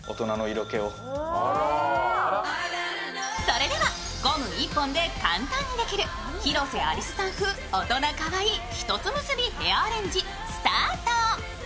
それでは、ゴム１本で簡単にできる広瀬アリスさん風大人かわいいひとつ結びアレンジスタート。